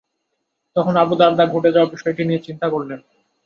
তখন Abu Darda ঘটে যাওয়া বিষয়টি নিয়ে চিন্তা করলেন।